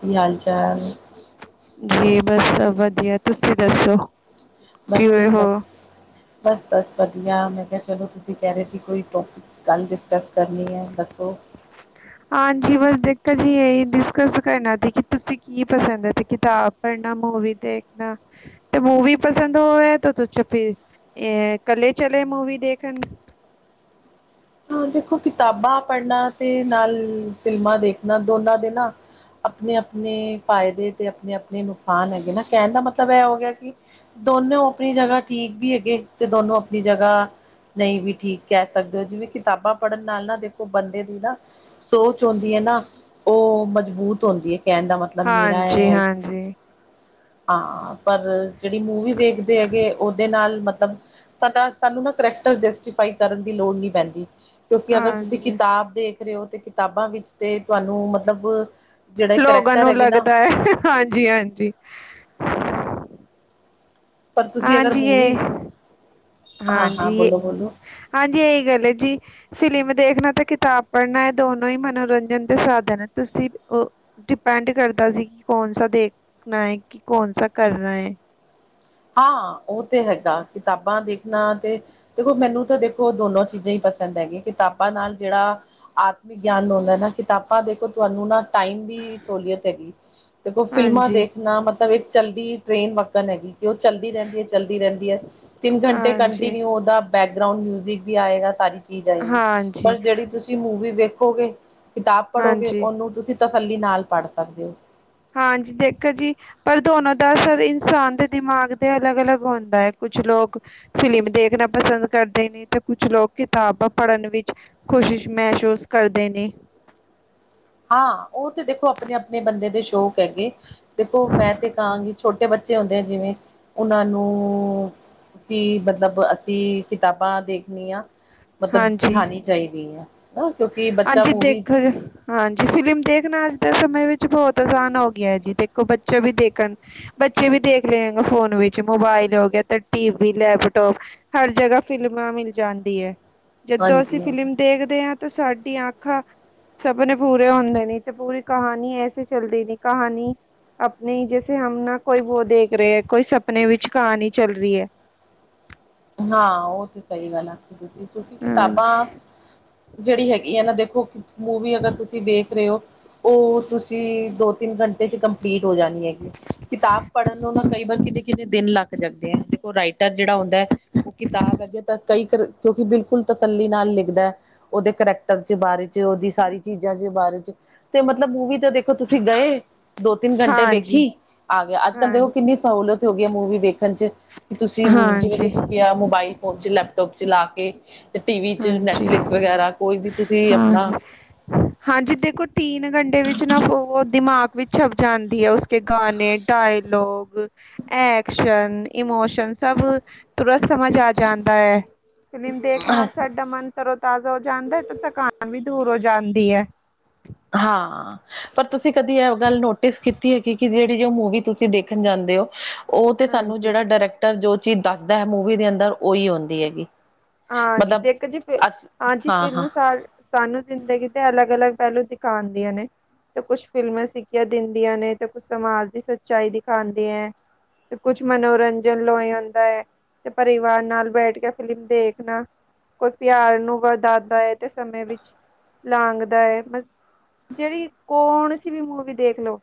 ਕਿ, ਹਾਲ -ਚਾਲ? ਜੀ, ਬਸ ਵਧੀਆ, ਤੁਸੀਂ ਦੱਸੋ? ਬਸ - ਕਿਵੇਂ ਹੋ? ਬਸ, ਬਸ -ਬਸ ਵਧੀਆ, ਮੈਂ ਕਿਹਾ ਚਲੋ, ਤੁਸੀਂ ਕਹਿ ਰਹੇ ਸੀ ਕੋਈ ਟੋਪ ਗੱਲ, ਡਿਸਕਸ ਕਰਨੀ ਹੈ ਦਸੋ ਹਾਂ, ਜੀ ਬਸ ਦਿੱਕਤ ਜੀ, ਇਹੀ ਡਿਸਕਸ ਕਰਨਾ ਸੀ ਕਿ ਤੁਸੀਂ ਕੀ ਪਸੰਦ ਹੈ ਤੇ ਕਿਤਾਬ ਪੜਣਾ, ਮੂਵੀ ਦੇਖਨਾ ਤੇ, ਮੂਵੀ ਪਸੰਦ, ਉਹ ਹੈ ਤੇ, ਚੁੱਪ ਹੀ ਏਹ ਕੱਲੇ ਚਲੇ ਮੂਵੀ ਦੇਖਣ ਹਾਂ, ਦੇਖੋ ਕਿਤਾਬਾਂ ਪੜ੍ਹਨਾ, ਤੇ ਨਾਲ ਫਿਲਮਾਂ ਦੇਖਣਾ, ਦੋਨਾਂ ਦੇ ਨਾ ਆਪਣੇ -ਆਪਣੇ ਫਾਇਦੇ ਤੇ, ਆਪਣੇ -ਆਪਣੇ ਨੁਕਸਾਨ ਹੈਗੇ ਨਾ, ਕਹਿਣ ਦਾ ਮਤਲਬ ਇਹ ਹੋ ਗਿਆ ਕਿ ਦੋਨੋ, ਆਪਣੀ ਜਗ੍ਹਾ ਠੀਕ ਵੀ ਹੈਗੇ, ਤੇ ਦੋਨੋ ਆਪਣੀ ਜਗ੍ਹਾ ਨਹੀਂ, ਵੀ ਠੀਕ ਕਹਿ ਸਕਦੇ ਹੋ, ਜਿਵੇਂ ਕਿਤਾਬਾਂ, ਪੜ੍ਹਨ ਨਾਲ ਨਾ ਦੇਖੋ ਬੰਦੇ ਦੀ ਨਾ ਸੋਚ ਹੁੰਦੀ ਹੈ ਨਾ ਉਹ ਮਜ਼ਬੂਤ ਹੁੰਦੀ ਹੈ ਕਹਿਣ ਦਾ ਮਤਲਬ ਕਿ ਅਹ ਹਾਂਜੀ ਹੈ ਨਾ। ਹਾਂਜੀ ਹਾਂ ਪਰ ਜਿਹੜੀ ਮੂਵੀ ਵੇਖਦੇ ਹੈਗੇ ਉਹਦੇ ਨਾਲ ਮਤਲਬ ਸਾਡਾ ਸਾਨੂੰ ਨਾ ਕਰੈਕਟਰ ਜੈਸਟੀਫਾਈ ਕਰਨ ਦੀ ਲੋੜ ਨਹੀਂ ਪੈਂਦੀ। ਕਿਉਂਕਿ ਅਗਰ ਤੁਸੀਂ ਹਾਂਜੀ ਕਿਤਾਬ ਦੇਖ ਰਹੇ ਹੋ ਤੇ ਕਿਤਾਬਾਂ ਵਿੱਚ ਤੇ ਤੁਹਾਨੂੰ ਮਤਲਬ ਜਿਹੜੇ ਲੋਕਾਂ ਕਰੈਕਟਰ ਨੂੰ ਹੈਗੇ ਨਾ ਲੱਗਦਾ ਹੈ ਹਾਂਜੀ, ਹਾਂਜੀ। ਪਰ ਤੁਸੀਂ ਅਗਰ ਹਾਂਜੀ ਮੂਵੀ ਇਹ ਹਾਂ ਹਾਂ ਹਾਂਜੀ ਇਹ ਬੋਲੋ ਬੋਲੋ ਹਾਂਜੀ ‌ਇਹੀ ਗੱਲ ਹੈ ਜੀ। ਫ਼ਿਲਮ ਦੇਖਣਾ ਤੇ ਕਿਤਾਬ ਪੜ੍ਹਨਾ ਇਹ ਦੋਨੋ ਹੀ ਮਨੋਰੰਜਨ ਦੇ ਸਾਧਨ ਹੈ ਤੁਸੀਂ ਉਹ ਡਿਪੈਂਡ ਕਰਦਾ ਸੀ ਕਿ ਕੌਣ ਸਾ ਦੇਖਣਾ ਹੈ ਕਿ ਕੌਣਸ ਕਰਨਾ ਹੈ। ਹਾਂ ਉਹ ਤੇ ਹੈਗਾ ਕਿਤਾਬਾਂ ਦੇਖਣਾ ਤੇ ਦੇਖੋ ਮੈਨੂੰ ਤਾਂ ਦੇਖੋ ਦੋਨੋ ਚੀਜ਼ਾਂ ਹੀ ਪਸੰਦ ਹੈਗੀਆਂ ਕਿਤਾਬਾਂ ਨਾਲ ਜਿਹੜਾ ਆਤਮਿਕ ਗਿਆਨ ਹਉਦਾ ਨਾ ਕਿਤਾਬਾਂ ਦੇਖੋ ਤੁਹਾਨੂੰ ਨਾ ਟਾਈਮ ਵੀ ਸਹੂਲੀਅਤ ਹੈਗੀ ਦੇਖੋ ਫਿਲਮਾਂ ਹਾਂਜੀ ਦੇਖਣਾ ਮਤਲਬ ਇੱਕ ਚਲਦੀ ਟ੍ਰੇਨ ਵੱਕਣ ਹੈਗੀ ਕਿ ਉਹ ਚੱਲਦੀ ਰਹਿੰਦੀ ਹੈ ਚੱਲਦੀ ਰਹਿੰਦੀ ਹੈ ਤਿੰਨ ਘੰਟੇ ਹਾਂਜੀ ਕੰਟੀਨਿਊ ਉਹਦਾ ਬੈਕਗਰਾਊਂਡ ਮਿਊਜਿਕ ਵੀ ਆਏਗਾ ਸਾਰੀ ਚੀਜ਼ ਆਏਗੀ ਹਾਂਜੀ ਪਰ ਜਿਹੜੀ ਤੁਸੀਂ ਤੁਹੀ ਮੂਵੀ ਵੇਖੋਗੇ ਕਿਤਾਬ ਪੜ੍ਹੋਗੇ ਹਾਂਜੀ ਉਹਨੂੰ ਤੁਸੀਂ ਤਸੱਲੀ ਨਾਲ ਪੜ੍ਹ ਸਕਦੇ ਹੋ। ਹਾਂਜੀ ਦੇਖੋ ਜੀ ਪਰ ਦੋਨੋ ਦਾ ਅਸਰ ਇਨਸਾਨ ਦੇ ਦਿਮਾਗ ਦੇ ਅਲੱਗ ਅਲੱਗ ਹੁੰਦਾ ਹੈ ਕੁਛ ਲੋਕ। ਫਿਲਮ ਦੇਖਣਾ ਪਸੰਦ ਕਰਦੇ ਨੇ ਤੇ ਕੁਛ ਲੋਕ ਕਿਤਾਬਾਂ ਪੜ੍ਹਨ ਵਿੱਚ ਕੌਸ਼ੀਸ਼ ਮਹਿਸੂਸ ਕਰਦੇ ਨੇ ਹਾਂ ਉਹ ਤੇ ਦੇਖੋ ਆਪਣੇ ਆਪਣੇ ਬੰਦੇ ਦੇ ਸ਼ੋਂਕ ਹੈਗੇ ਦੇਖੋ ਮੈਂ ਤੇ ਕਹਾਂਗੀ ਛੋਟੇ ਬੱਚੇ ਹੁੰਦੇ ਜਿਵੇਂ ਉਹਨਾਂ ਨੂੰ ਕਿ ਮਤਲਬ ਅਸੀਂ ਕਿਤਾਬਾਂ ਦੇਖਣੀਆਂ ਮਤਲਬ ਸੀਖਾਣੀ ਚਾਹੀਦੀ ਹੈ, ਨਾ ਕਿਉਂਕਿ ਬੱਚਾ ਅੱਜੀ ਮੂਵੀ ਦੇਖ ਹਾਂਜੀ ਫ਼ਿਲਮ ਦੇਖਣਾ ਅੱਜ ਦੇ ਸਮੇਂ ਵਿੱਚ ਬਹੁਤ ਆਸਾਨ ਹੋ ਗਿਆ ਜੀ ਦੇਖੋ ਬੱਚੇ ਵੀ ਦੇਖਣ। ਬੱਚੇ ਵੀ ਦੇਖ ਲਏ ਹੈ ਫੋਨ ਵਿੱਚ ਮੋਬਾਇਲ ਹੋ ਗਿਆ ਤੇ ਟੀ ਵੀ ਲੈਪਟੋਪ ਹਰ ਜਗ੍ਹਾ ਫਿਲਮਾਂ ਮਿਲ ਜਾਂਦੀ ਹੈ ਜਦੋਂ ਅਸੀਂ ਹਾਂਜੀ-ਹਾਂਜੀ। ਫਿਲਮ ਦੇਖਦੇ ਹਾਂ, ਤੇ ਸਾਡੀਆਂ ਆਂਖਾ ਸਪਨੇ ਪੂਰੇ ਹੁੰਦੇ ਨੀਂ ਤੇ ਪੂਰੀ ਕਹਾਣੀ ਐਸੇ ਚੱਲਦੀ ਨੀਂ ਕਹਾਣੀ। ਆਪਣੇ ਹੀ ਜੈਸੇ ਹਮ ਨਾ ਕੋਈ ਵੋ ਦੇਖ ਰਹੇ ਹੈ ਕੋਈ ਸਪਨੇ ਵਿੱਚ ਕਣੀ ਚੱਲ ਰਹੀ ਹੈ, ਹਾਂ ਉਹ ਤੇ ਸਹੀ ਗਲ ਏ ਤੁਸੀਂ ਫਿਰ ਹਾਂ ਕਿਤਾਬਾਂ ਜਿਹੜੀ ਹੈਗੀ ਆ ਨਾ ਦੇਖੋ ਮੂਵੀ ਅਗਰ ਤੁਸੀਂ ਦੇਖ ਰਹੇ ਹੋ ਉਹ ਤੁਸੀਂ ਦੋ ਤਿੰਨ ਘੰਟੇ 'ਚ ਕੰਪ ਪੀਟ ਹੋ ਜਾਣਗੇ ਕਿਤਾਬ ਪੜ੍ਹਨ ਨੂੰ ਨਾ ਕਈ ਵਾਰ ਕਿਤੇ,, ਕਿੰਨੇ ਦਿਨ ਲੱਗ ਜਾਂਦੇ ਹੈ ਦੇਖੋ ਰਾਈਟਰ ਜਿਹੜਾ ਹੁੰਦਾ ਹੈ ਉਹ ਕਿਤਾਬ ਅੱਗੇ ਤਾਂ ਕਈ ਕਰਰ ਕਿਉਂਕਿ ਬਿਲਕੁਲ ਤਸੱਲੀ ਨਾਲ ਲਿਖਦਾ ਉਹਦੇ ਕਰੈਕਟਰ ਦੇ ਬਾਰੇ ਚ ਉਹਦੀ ਸਾਰੀ ਚੀਜ਼ਾਂ ਦੇ ਬਾਰੇ ਚ ਤੇ ਮਤਲਬ ਮੂਵੀ ਤੇ ਦੇਖੋ ਤੁਸੀਂ ਗਏ ਦੋ ਤਿੰਨ ਘੰਟੇ ਹਾਂਜੀ ਵੇਖੀ ਆ ਗਿਆ ਅੱਜ ਕੱਲ੍ਹ ਹਾਂ ਕਿੰਨੀ ਸਹੂਲਅਤ ਹੋ ਗਈ ਹੈ ਮੂਵੀ ਵੇਖਣ ਚ ਕਿ ਤੁਸੀਂ ਜਿਵੇਂ ਹਾਂਜੀ ਹਾਂਜੀ ਤੁਸੀਂ ਕਿਹਾ ਮੋਬਾਇਲ ਫੋਨ ਚ ਲੈਪਟੋਪ ਚਲਾ ਕੇ ਤੇ ਟੀ ਵੀ 'ਚ ਹਾਂਜੀ ਨੈਟਫਲਿਕਸ ਵਗੈਰਾ ਕੋਈ ਵੀ ਤੁਸੀਂ ਆਪਣਾ ਹਾਂਜੀ ਦੇਖੋ ਤੀਨ ਘੰਟੇ ਵਿੱਚ ਨਾ ਉਹ ਦਿਮਾਗ ਵਿੱਚ ਛਪ ਜਾਂਦੀ ਹੈ ਉਸ ਕੇ ਗਾਣੇ ਡਾਇਲੋਗ ਐਕਸ਼ਨ ਇਮੋਸ਼ਨ ਸਭ ਪੂਰਾ ਸਮਝ ਆ ਜਾਂਦਾ ਹੈ ਫਿਲਮ ਦੇਖ ਨਾਲ ਸਾਡਾ ਮਨ ਤਰੋ ਤਾਜ਼ਾ ਹੋ ਜਾਂਦਾ ਐ, ਤੇ ਥਕਾਨ ਵੀ ਦੂਰ ਹੋ ਜਾਂਦੀ ਐ। ਹਾਂ। ਪਰ ਤੁਸੀਂ ਕਦੀ ਇਹ ਗੱਲ ਨੋਟਿਸ ਕੀਤੀ ਹੈਗੀ, ਕਿ ਜੇੜੀ ਜੋ ਮੂਵੀ ਤੁਸੀਂ ਦੇਖਣ ਜਾਂਦੇ ਓ ਉਹ ਤੇ ਸਾਨੂੰ ਹਾਂਜੀ ਜੇੜਾ ਡਾਇਰੈਕਟਰ ਜੋ ਚੀਜ਼ ਦੱਸਦਾ ਐ, ਮੂਵੀ ਦੇ ਅੰਦਰ ਓਈ ਔਂਦੀ ਹੈਗੀ। ਹਾਂਜੀ ਮਤਲਬ ਦੇਖੋ ਜੀ ਫਿਰ ਅਸ ਹਾਂਜੀ ਹਾਂ ਹਾਂ ਫਿਲਮ ਸਾਲ ਸਾਨੂੰ ਜ਼ਿੰਦਗੀ ਤੇ ਅਲੱਗ-ਅਲੱਗ ਪਹਿਲੂ ਦਿਖਾਦੀਆਂ ਨੇ ਤੇ ਕੁਛ ਫ਼ਿਲਮਾਂ ਸਿੱਖਿਆਂ ਦਿੰਦੀਆਂ ਨੇ, ਤੇ ਕੁਛ ਸਮਾਜ ਦੀ ਸੱਚਾਈ ਦਿਖਾਉਂਦੀਆਂ ਐਂ। ਤੇ ਕੁਛ ਮਨੋਰੰਜਨ ਲੋਏ ਹੁੰਦਾ ਏ ਤੇ ਪਰਿਵਾਰ ਨਾਲ ਬੈਠ ਕੇ ਫਿਲਮ ਦੇਖ ਨਾ ਕੋਈ ਪਿਆਰ ਨੂੰ ਵਦਾਦਾ ਐ ਤੇ ਸਮੇ ਵਿੱਚ ਲਾਂਘਦਾ ਐ ਮਤ ਜੇੜੀ ਕੌਣਸੀ ਵੀ ਮੂਵੀ ਦੇਖ ਲੋ।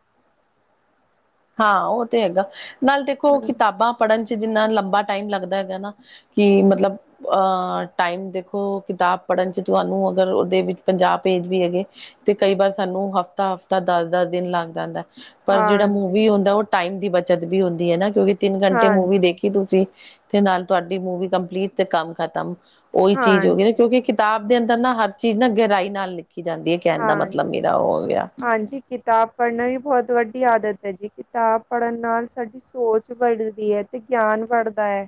ਹਾਂ ਉਹ ਤੇ ਹੈਗਾ ਨਾਲ ਦੇਖੋ ਹਾਂਜੀ ਕਿਤਾਬਾਂ ਪੜ੍ਹਨ ਚ ਜਿੰਨਾਂ ਲੰਬਾ ਟਾਈਮ ਲੱਗਦਾ ਹੈਗਾ ਨਾ ਕਿ ਮਤਲਬ ਅ ਟਾਈਮ ਦੇਖੋ ਕਿਤਾਬ ਪੜ੍ਹਨ ਚ ਤੁਆਨੂੰ ਅਗਰ ਓਦੇ ਵਿੱਚ ਪੰਜਾਹ ਪੇਜ ਵੀ ਹੈਗੇ ਤੇ ਕਈ ਵਾਰ ਸਾਨੂੰ ਹਫ਼ਤਾ-ਹਫ਼ਤਾ, ਦਸ-ਦਸ ਦਿਨ ਲੱਗ ਜਾਂਦਾ। ਪਰ ਜੇੜਾ ਹਾਂਜੀ ਮੂਵੀ ਹੁੰਦਾ, ਉਹ ਟਾਈਮ ਦੀ ਬੱਚਤ ਵੀ ਹੁੰਦੀ ਐ ਨਾ। ਕਿਉਂਕਿ ਤਿੰਨ ਘੰਟੇ ਮੂਵੀ ਹਾਂਜੀ ਦੇਖੀ ਤੁਸੀਂ ਤੇ ਨਾਲ ਤੁਆਡੀ ਮੂਵੀ ਕੰਪਲੀਟ ਤੇ ਕੰਮ ਖਤਮ ਓਈ ਚੀਜ਼ ਹੋ ਗਈ ਨਾ ਹਾਂਜੀ ਕਿਉਂਕਿ ਕਿਤਾਬ ਦੇ ਅੰਦਰ ਨਾ ਹਰ ਚੀਜ਼ ਨਾ ਗਹਿਰਾਈ ਨਾਲ ਲਿਖੀ ਜਾਂਦੀ ਐ। ਕੈਣ ਦਾ ਮਤਲਬ ਹਾਂਜੀ ਮੇਰਾ ਓ ਹੇ ਗਾ ਹਾਂਜੀ ਕਿਤਾਬ ਪੜ੍ਹਨਾ ਵੀ ਬਹੁਤ ਵੱਡੀ ਆਦਤ ਐ ਜੀ, ਕਿਤਾਬ ਪੜ੍ਹਨ ਨਾਲ ਸਾਡੀ ਸੋਚ ਵੜਦੀ ਐ ਤੇ ਗਿਆਨ ਵੜਦਾ ਐ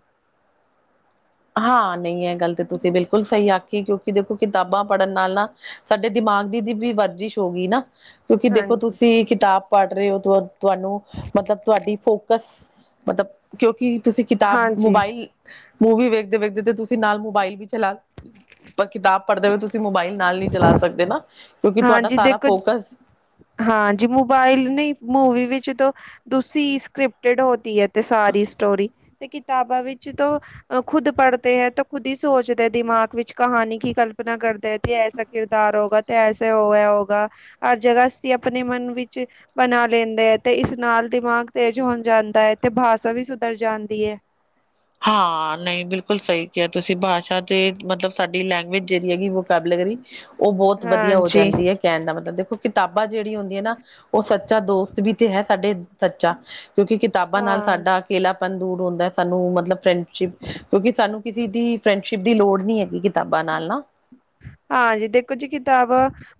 ਹਾਂ ਨਹੀਂ ਇਹ ਗੱਲ ਤਾਂ ਤੁਸੀਂ ਬਿਲਕੁਲ ਸਹੀ ਆਖੀ ਕਿਉਂਕਿ ਦੇਖੋ ਕਿਤਾਬਾਂ ਪੜ੍ਹਨ ਨਾਲ ਨਾ ਸਾਡੇ ਦਿਮਾਗ ਦੀ ਦੀ ਵੀ ਵਰਜਿਸ਼ ਹੋ ਗਈ ਨਾ ਕਿਉਂਕਿ ਦੇਖੋ ਹਾਂਜੀ ਤੁਸੀਂ ਕਿਤਾਬ ਪੜ੍ਹ ਰਹੇ ਹੋ ਤੁਹਾਨੂੰ ਮਤਲਬ ਤੁਹਾਡੀ ਫੋਕਸ ਮਤਲਬ ਕਿਉਂਕਿ ਤੁਸੀਂ ਕਿਤਾਬ ਹਾਂਜੀ ਮੋਬਾਇਲ ਮੂਵੀ ਵੇਖਦੇ ਵੇਖਦੇ ਤੁਸੀਂ ਨਾਲ ਮੋਬਾਇਲ ਵੀ ਚਲਾ ਪਰ ਕਿਤਾਬ ਪੜ੍ਹਦੇ ਹੋਏ ਤੁਸੀਂ ਮੋਬਾਇਲ ਨਾਲ ਨਹੀਂ ਚਲਾ ਸਕਦੇ ਨਾ ਕਿਉਂਕਿ ਤੁਹਾਡਾ ਸਾਰਾ ਫੋਕਸ ਹਾਂ ਜੀ ਮੋਬਾਇਲ ਨਹੀਂ ਮੂਵੀ ਵਿੱਚ ਤ ਦੂਸੀ ਸਕ੍ਰਿਪਟਡ ਹੋਦੀ ਹੈ ਤੇ ਸਾਰੀ ਸਟੋਰੀ ਤੇ ਕਿਤਾਬਾਂ ਵਿੱਚ ਤ ਅ ਖੁਦ ਪੜ੍ਹਦੇ ਹੈ ਤਾਂ ਖੁਦ ਹੀ ਸੋਚਦੇ ਦਿਮਾਗ ਵਿੱਚ ਕਹਾਣੀ ਕੀ ਕਲਪਨਾ ਕਰਦਾ ਹੈ ਤੇ ਐ। ਕਿਰਦਾਰ ਹੋਗਾ ਤੇ ਐਸੇ ਹੋਇਆ ਹੋਊਗਾ ਹਰ ਜਗ੍ਹਾ ਅਸੀਂ ਆਪਣੇ ਮਨ ਵਿੱਚ ਬਣਾ ਲੈਂਦੇ ਹੈ ਤੇ ਇਸ ਨਾਲ ਦਿਮਾਗ ਤੇਜ਼ ਹੋਣ ਜਾਂਦਾ ਹੈ ਤੇ ਭਾਸ਼ਾ ਵੀ ਸੁਧਰ ਜਾਂਦੀ ਹੈ ਹਾਂ ਨਹੀਂ ਬਿਲਕੁਲ ਸਹੀ ਕਿਹਾ ਤੁਸੀਂ ਭਾਸ਼ਾ ਤੇ ਮਤਲਬ ਸਾਡੀ ਲੈਂਗੁਏਜ ਜਿਹੜੀ ਹੈਗੀ ਵੋਕੈਬਲੇਗਰੀ ਉਹ ਬਹੁਤ ਵਧੀਆ ਹੋ ਜਾਂਦੀ ਹੈ ਕਹਿਣ ਦਾ ਮਤਲਬ ਦੇਖੋ ਕਿਤਾਬਾਂ ਜਿਹੜੀ ਹੁੰਦੀਆਂ ਨਾ ਉਹ ਸੱਚਾ ਦੋਸਤ ਵੀ ਤੇ ਹੈ ਸਾਡੇ ਸੱਚਾ। ਕਿਉਂਕਿ ਕਿਤਾਬਾਂ ਨਾਲ ਸਾਡਾ ਅਕੇਲਾਪਨ ਦੂਰ ਹੁੰਦਾ, ਸਾਨੂੰ ਮਤਲਬ ਮਤਲਬ ਫਰੈਂਡਸ਼ਿਪ ਕਿਉਂਕਿ ਸਾਨੂੰ ਕਿਸੇ ਦੀ ਫਰੈਂਡਸ਼ਿਪ ਦੀ ਲੋੜ ਨੀ ਹੈਗੀ ਕਿਤਾਬਾਂ ਨਾਲ ਨਾ। ਹਾਂਜੀ ਦੇਖੋ ਜੀ ਕਿਤਾਬ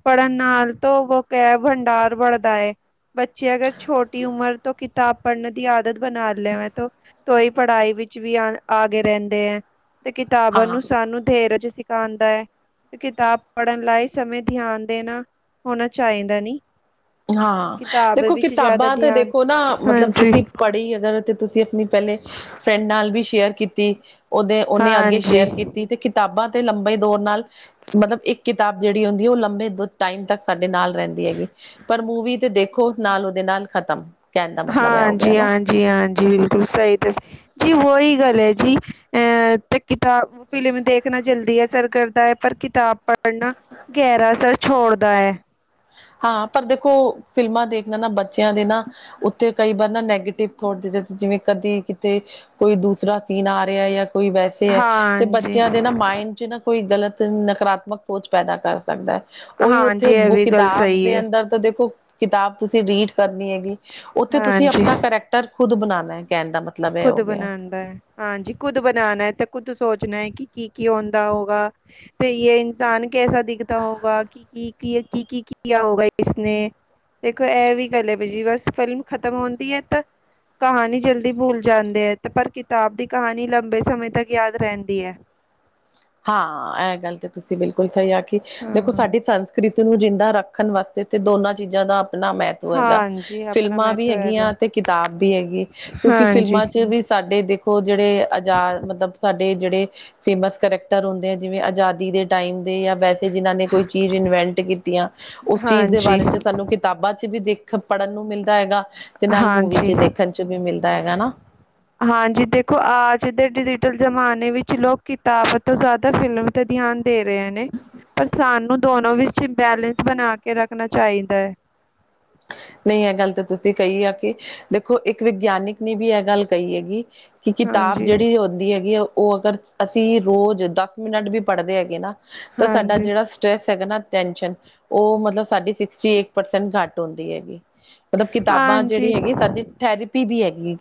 ਪੜ੍ਹਨ ਨਾਲ ਤੋਂ ਬੁਕ ਹੈ ਭੰਡਾਰ ਬਣਦਾ ਹੈ ਬੱਚੇ ਅਗਰ ਛੋਟੀ ਉਮਰ ਤੋਂ ਤਾਂ ਪੜ੍ਹਨ ਦੀ ਆਦਤ ਬਣਾ ਲਿਆ ਤੋਂ ਹੀ ਪੜ੍ਹਾਈ ਵਿੱਚ ਵੀ ਆ ਆ ਗਏ ਰਹਿੰਦੇ ਹੈ ਤੇ ਕਿਤਾਬਾਂ ਹਾਂ। ਨੂੰ ਸਾਨੂੰ ਧੀਰਜ ਸਿਖਾਉਂਦਾ ਹੈ। ਕਿਤਾਬ ਪੜ੍ਹਨ ਲਾ ਸਮੇਂ ਧਿਆਨ ਦੇਣਾ ਹੋਣਾ ਚਾਹੀਦਾ ਨੀ ਹਾਂ ਕਿਤਾਬ ਦੇਖੋ ਵਿੱਚ ਜ਼ਿਆਦਾ ਕਿਤਾਬਾਂ ਤਾਂ ਧਿਆਨ ਦੇਖੋ ਨਾ ਮਤਲਬ ਹਾਂਜੀ ਤੁਸੀਂ ਪੜ੍ਹੀ ਅਗਰ ਤੇ ਤੁਸੀਂ। ਆਪਣੀ ਪਹਿਲੇ ਫਰੈਂਡ ਨਾਲ ਵੀ ਸ਼ੇਅਰ ਕੀਤੀ ਉਹਦੇ ਉਹਨੇ ਅੱਗੇ ਸ਼ੇਅਰ ਹਾਂਜੀ ਕੀਤੀ। ਤੇ ਕਿਤਾਬਾਂ ਤੇ ਲੰਬੇ ਦੌਰ ਨਾਲ ਮਤਲਬ ਇੱਕ ਕਿਤਾਬ ਜਿਹੜੀ ਹੁੰਦੀ ਉਹ ਲੰਬੇ ਦ ਟਾਈਮ ਤੱਕ ਸਾਡੇ ਨਾਲ ਰਹਿੰਦੀ ਹੈਗੀ, ਪਰ ਮੂਵੀ ਤੇ ਦੇਖੋ ਨਾਲ ਉਹਦੇ ਨਾਲ ਖ਼ਤਮ। ਕਹਿਣ ਦਾ ਮਤਲਬ ਇਹ ਹੋ ਗਿਆ ਹਾਂਜੀ, ਨਾ ਹਾਂਜੀ। ਜੀ ਹਾਂਜੀ ਬਿਲਕੁਲ ਸਹੀ ਤਾਂ ਜੀ ਉਹੀ ਗੱਲ ਹੈ ਜੀ ਅ ਇੱਕ ਕੀਤਾ ਫਿਲਮ ਦੇਖਣਾ ਜਲਦੀ ਅਸਰ ਕਰਦਾ ਹੈ ਪਰ ਕਿਤਾਬ ਪੜ੍ਹਨਾ ਗਹਿਰਾ ਅਸਰ ਛੋੜਦਾ ਹੈ। ਹਾਂ ਪਰ ਦੇਖੋ ਫਿਲਮਾਂ ਦੇਖਣਾ ਨਾ ਬੱਚਿਆਂ ਦੇ ਨਾ ਉੱਥੇ ਕਈ ਵਾਰ ਨਾ ਨੈਗੇਟਿਵ ਥੋਟ ਜਿਵੇਂ ਕਦੀ ਕਿਤੇ। ਕੋਈ ਦੂਸਰਾ ਸੀਨ ਆ ਰਿਹਾ ਜਾਂ ਕੋਈ ਵੈਸੇ। ਤੇ ਬੱਚਿਆਂ ਦੇ ਨਾ ਮਾਇੰਡ ਚ ਨਾ ਕੋਈ ਗਲਤ ਨਕਾਰਾਤਮਕ ਸੋਚ ਪੈਦਾ ਕਰ ਸਕਦਾ ਹੈ ਉਹੀ ਉੱਥੇ ਬੁ ਆਪਦੇ ਅੰਦਰ ਤਾਂ ਦੇਖੋ ਕਿਤਾਬ ਤੁਸੀਂ ਰੀਡ ਕਰਨੀ ਹੈਗੀ ਉੱਥੇ ਤੁਸੀਂ ਆਪਣਾ ਕਰੈਕ। ਖੁਦ ਬਣਾਉਣਾ ਕਹਿਣ ਦਾ ਮਤਲਬ ਇਹ ਹੋ ਗਿਆ। ਹਾਂਜੀ, ਖੁਦ ਬਣਾਉਣਾ ਹੈ ਤੇ ਖੁਦ ਸੋਚਣਾ ਹੈ ਕਿ, ਕੀ- ਕੀ ਹੁੰਦਾ ਹੋਗਾ। ਤੇ ਇਹ ਇਨਸਾਨ ਕੈਸਾ ਦਿਖਦਾ ਹੋਗਾ ਕਿ। ਕੀ- ਕੀ, ਕੀ -ਕੀ ਹੋਗਾ ਇਸਨੇ? ਦੇਖੋ ਇਹ ਵੀ ਗੱਲ ਹੈ ਬ ਜੀ ਬਸ ਫਿਲਮ ਖਤਮ ਹੁੰਦੀ ਹੈ ਤਾਂ ਕਹਾਣੀ ਜਲਦੀ। ਦੀ ਭੁੱਲ ਜਾਂਦੇ ਹੈ ਤੇ ਪਰ ਕਿਤਾਬ ਦੀ ਕਹਾਣੀ ਲੰਬੇ ਸਮੇਂ ਤੱਕ ਯਾਦ ਰਹਿੰਦੀ ਹੈ। ਹਾਂ, ਇਹ ਗੱਲ ਤਾਂ ਤੁਸੀਂ ਬਿਲਕੁਲ ਸਹੀ ਆ ਕਿ ਦੇਖੋ ਹਾਂ। ਸਾਡੀ ਸੰਸਕ੍ਰਿਤੀ। ਨੂੰ ਜਿੰਦਾ ਰੱਖਣ ਵਾਸਤੇ ਤੇ ਦੋਨਾਂ ਚੀਜ਼ਾਂ ਦਾ ਆਪਣਾ ਮਹੱਤਵ ਹੈਗਾ। ਹਾਂਜੀ ਆਪਣਾ ਫਿਲਮਾਂ ਵੀ ਮਹੱਤਵ ਹੈਗਾ ਹੈਗੀਆਂ ਤੇ ਕਿਤਾਬ ਵੀ ਹੈਗੀ ਕਿਉਂਕਿ ਹਾਂਜੀ। ਫਿਲਮਾਂ ਚ ਵੀ ਸਾਡੇ ਦੇਖੋ ਉਹ ਜਿਹੜੇ ਆਜ਼ਾਦ ਮਤਲਬ ਸਾਡੇ ਜਿਹੜੇ ਫੇਮਸ ਕਰਕ ਹੋਂਦੇ ਆ ਜਿਵੇਂ ਆਜ਼ਾਦੀ ਦੇ ਟਾਈਮ ਦੇ ਜਾਂ ਵੈਸੇ ਜਿਹਨਾਂ ਨੇ ਕੋਈ ਚੀਜ਼ ਇਨਵੈਂਟ ਕੀਤੀਆਂ, ਉਸ ਚੀਜ਼ ਦੇ ਹਾਂਜੀ, ਬਾਰੇ ਚ ਸਾਨੂੰ, ਕਿਤਾਬਾਂ ਚ ਵੀ ਦੇਖ ਪੜ੍ਹਨ ਨੂੰ ਮਿਲਦਾ ਹੈਗਾ, ਤੇ ਨਾਲ ਮੂਵੀ ਹਾਂਜੀ। ਚ ਦੇਖਣ ਚ ਵੀ ਮਿਲਦਾ ਹੈਗਾ ਨਾ। ਹਾਂਜੀ ਦੇਖੋ ਆੱਜ ਦੇ ਡਿਜੀਟਲ ਜ਼ਮਾਨੇ ਵਿੱਚ ਲੋਕ ਕਿਤਾਬ ਤੋਂ ਜ਼ਿਆਦਾ ਫਿਲਮ, ਤਾਂ ਧਿਆਨ ਦੇ ਰਹੇ ਨੇ, ਪਰ ਸਾਨੂੰ ਦੋਨੋ ਵਿੱਚ ਬੈਲੈਂਸ ਬਣਾ ਕੇ ਰੱਖਣਾ ਚਾਹੀਦਾ ਹੈ, ਨਈ ਏ ਗੱਲ ਤਾਂ ਤੁਸੀ ਕਈ ਆ ਕਿ ਦੇਖੋ ਇੱਕ ਵਿਗਿਆਨਿਕ ਨੇ ਵੀ ਇਹ ਗੱਲ ਕਈ ਹੈਗੀ ਕਿ ਕਿਤਾਬ ਹਾਂਜੀ, ਜਿਹੜੀ ਹੁੰਦੀ ਹੈਗੀ ਆ ਓ ਅਗਰ ਅਸੀਂ ਰੋਜ਼ ਦਸ ਮਿੰਟ ਵੀ ਪੜ੍ਹਦੇ ਹੈਗੇ ਨਾ ਤਾਂ ਸਾਡਾ ਹਾਂਜੀ, ਜਿਹੜਾ ਸਟਰੈਸ ਹੈਗਾ ਨਾ ਟੈਂਸ਼ਨ ਉਹ ਮਤਲਬ ਸਾਡੀ ਸੀਸਟੀ ਐਟ ਪਰਸਂਟ ਕਟ ਹੁਣ ਦੀ ਹੈਗੀ ਮਤਲਬ ਕਿਤਾਬਾਂ ਹਾਂਜੀ। ਜਿਹੜੀ ਹੈਗੀ ਸਾਡੀ ਥੈਰੇਪੀ ਵੀ ਹੈਗੀ ਏ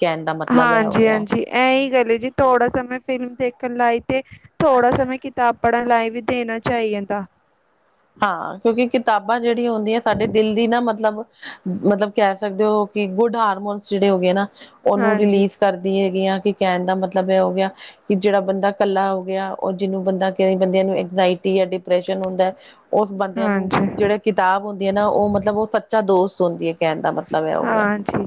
ਹਾਂਜੀ, ਹਾਂਜੀ ਏਹੀ ਗੱਲ ਏ ਜੀ ਥੋੜਾ ਸਮਾਂ ਫਿਲਮ ਦੇਖ ਫਿਰ ਲਾਈ ਤੇ ਥੋੜਾ ਸਮੇਂ ਕਿਤਾਬ ਪੜ੍ਹਨ ਲਾਈ ਵੀ ਦੇਣਾ ਚਾਈਦਾ ਹਾਂ ਕਿਉਂਕਿ ਕਿਤਾਬਾਂ ਜਿਹੜੀਆਂ ਹੁੰਦੀਆਂ ਸਾਡੇ ਦਿਲ ਦੀ ਨਾ ਮਤਲਬ ਮਤਲਬ ਕਹਿ ਸਕਦੇ ਹੋ ਕਿ ਗੁੱਡ ਹਾਰਮੋਨ ਜਿਹੜੇ ਹੋ ਗਏ ਨਾ ਉਹਨੂੰ ਹਾਂਜੀ ਰਿਲੀਜ਼ ਕਰਦੀ ਹੈਗੀ ਆ ਕਿ ਕਹਿਣ ਦਾ ਮਤਲਬ ਇਹ ਹੋ ਗਿਆ ਕਿ ਜਿਹੜਾ ਬੰਦਾ ਇਕੱਲਾ ਹੋ ਗਿਆ ੳ ਜਿਹਨੂੰ ਬੰਦਾ ਬੰਦਿਆਂ ਨੂੰ ਇੰਗਜਾਇਟੀ ਜਾਂ ਡਿਪ੍ਰੈਸ਼ਨ ਹੁੰਦਾ ਉਸ ਬੰਦਿਆਂ ਨੂੰ ਹਾਂਜੀ ਜਿਹੜੇ ਕਿਤਾਬ ਹੁੰਦੀ ਏ ਨਾ ਉਹ ਮਤਲਬ ਉਹ ਸੱਚਾ ਦੋਸਤ ਹੁੰਦੀ ਏ ਕਹਿਣ ਦਾ ਮਤਲਬ ਇਹ ਹੋ ਗਿਆ ਹਾਂਜੀ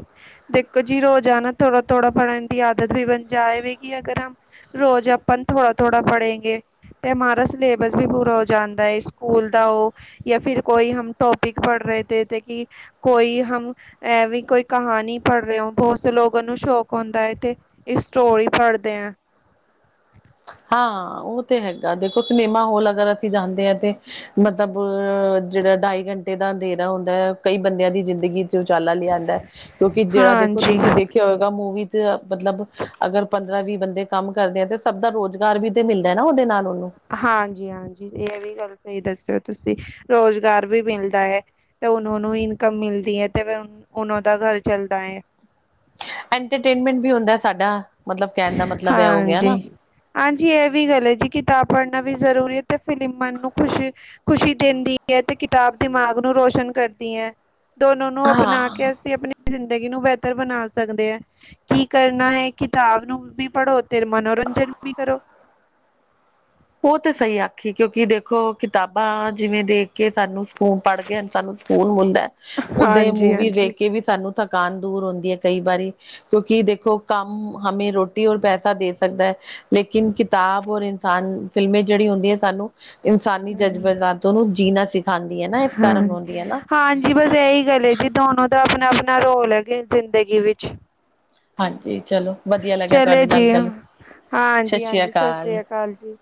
ਦੇਖੋ ਜੀ ਰੋਜ਼ਾਨਾ ਥੋੜਾ ਥੋੜਾ ਪੜ੍ਹਨ ਦੀ ਆਦਤ ਵੀ ਬਣ ਜਾਏਵੇਗੀ ਅਗਰ ਹਮ ਰੋਜ਼ ਆਪਨ ਥੋੜਾ ਥੋੜਾ ਪੜੇਗੇ ਤੇ ਹਮਾਰਾ ਸਲੇਬਸ ਵੀ ਪੂਰਾ ਹੋ ਜਾਂਦਾ ਏ ਸਕੂਲ ਦਾ ਉ ਯਾ ਫਿਰ ਕੋਈ ਹਮ ਟੋਪਿਕ ਪੜ੍ਹ ਰਹੇ ਤੇ ਕਿ ਕੋਈ ਹਮ ਐਵੇ ਕੋਈ ਕਹਾਣੀ ਪੜ੍ਹ ਰਹੇ ਹੋ ਬਹੁਤ ਸੇ ਲੋਗੋ ਨੂੰ ਸ਼ੌਕ ਹੁੰਦਾ ਹੈ ਤੇ ਇਹ ਸਟੋਰੀ ਪੜ੍ਹਦੇ ਆ ਹਾਂ ਉਹ ਤੇ ਹੈਗਾ ਦੇਖੋ ਸਿਨੇਮਾ ਹੋਲ ਅਗਰ ਅਸੀਂ ਜਾਂਦੇ ਆ ਤੇ ਮਤਲਬ ਜਿਹੜਾ ਢਾਈ ਘੰਟੇ ਦਾ ਅੰਧੇਰਾ ਹੁੰਦਾ ਹੈ ਕਈ ਬੰਦਿਆਂ ਦੀ ਜ਼ਿੰਦਗੀ ਉਚਾਲਾ ਲਿਆਂਦਾ ਕਿਉਂਕਿ ਜਿਹੜਾ ਦੇਖੋ ਹਾਂਜੀ ਤੁਸੀਂ ਦੇਖਿਆ ਹੋਏਗਾ ਮੂਵੀ ਚ ਮਤਲਬ ਅਗਰ ਪੰਦਰਾ ਵੀ ਬੰਦੇ ਕੰਮ ਕਰਦੇ ਆ ਤੇ ਸਭ ਦਾ ਰੋਜ਼ਗਾਰ ਵੀ ਤੇ ਮਿਲਦਾ ਨਾ ਉਹਦੇ ਨਾਲ ਉਹਨੂੰ ਹਾਂਜੀ, ਹਾਂਜੀ ਇਹ ਵੀ ਗੱਲ ਸਈ ਦੱਸਿਓ ਤੁਸੀਂ ਰੋਜ਼ਗਾਰ ਵੀ ਮਿਲਦਾ ਏ ਤੇ ਉਹਨੋ ਨੂੰ ਇਨਕਮ ਮਿਲਦੀ ਏ ਤੇ ਫਿਰ ਉਹਨੋ ਦਾ ਘਰ ਚੱਲਦਾ ਏ ਐਂਟਰਟੇਨਮੈਂਟ ਵੀ ਹੁੰਦਾ ਸਾਡਾ ਮਤਲਬ ਕਹਿਣ ਦਾ ਮਤਲਬ ਇਹ ਹੋ ਗਿਆ ਹਾਂਜੀ ਨਾ ਹਾਂਜੀ ਇਹ ਵੀ ਗੱਲ ਏ ਜੀ ਕਿਤਾਬ ਪੜ੍ਹਨਾ ਵੀ ਜ਼ਰੂਰੀ ਏ ਤੇ ਫੇਰ ਮਨ ਨੂੰ ਖੁਸ਼ੀ ਖ਼ੁਸ਼ੀ ਦਿੰਦੀ ਐ ਤੇ ਕਿਤਾਬ ਦਿਮਾਗ ਨੂੰ ਰੋਸ਼ਨ ਕਰਦੀ ਏ ਦੋਨੋ ਨੂੰ ਅਪਣਾ ਹਾਂ ਕੇ ਅਸੀਂ ਆਪਣੀ ਜ਼ਿੰਦਗੀ ਨੂੰ ਬਿਹਤਰ ਬਣਾ ਸਕਦੇ ਆ ਕੀ ਕਰਨਾ ਹੈ ਕਿਤਾਬ ਬੁਕ ਵੀ ਪੜੋ ਅਤੇ ਮਨੋਰੰਜਨ ਵੀ ਕਰੋ ਉਹ ਤੇ ਸਈ ਆਖੀ ਕਿਉਂਕਿ ਦੇਖੋ ਕਿਤਾਬਾਂ ਜਿਵੇਂ ਦੇਖ ਕੇ ਸਾਨੂੰ ਸਕੂਨ ਪੜ੍ਹ ਕੇ ਹੁਨ ਸਾਨੂੰ ਸਕੂਨ ਮਿਲਦਾ ਉਹ ਓਦੇ ਹਾਂਜੀ ਮੂਵੀ ਹਾਂਜੀ ਦੇੇਖ ਕੇ ਵੀ ਸਾਨੂੰ ਥਕਾਨ ਦੂਰ ਹੁੰਦੀ ਏ ਕਈ ਵਾਰੀ ਕਿਉਂਕਿ ਦੇਖੋ ਕੰਮ ਹਮੇ ਰੋਟੀ ਔਰ ਪੈਸਾ ਦੇ ਸਕਦਾ ਲੇਕਿਨ ਕਿਤਾਬ ਔਰ ਇਨਸਾਨ ਫਿਲਮੇ ਜਿਹੜੀ ਹੁੰਦੀ ਏ ਸਾਨੂੰ ਇਨਸਾਨੀ ਹਮ ਜਜ਼ਬਾਤੋ ਨੂੰ ਜੀਣਾ ਸਿਖਾਉਂਦੀ ਏ ਨਾ ਇਸ ਕਾਰਨ ਹੁੰਦੀ ਏ ਨਾ ਜੀ ਬਸ ਇਹੀ ਗੱਲ ਏ ਜੀ ਦੋਨੋ ਦਾ ਆਪਣਾ ਆਪਣਾ ਰੋਲ ਹੈ ਜ਼ਿੰਦਗੀ ਵਿੱਚ ਹਾਂਜੀ, ਚਲੋ ਵਧੀਆ ਲੱਗਿਆ ਤੁਹਾਡੇ ਚਲੇ ਨਾਲ ਜੀ ਗੱਲ ਸਤਿ ਹਾਂਜੀ, ਸ੍ਰੀ ਹਾਂਜੀ ਸਸ ਰੀ ਆ ਅਕਾਲ ਜੀ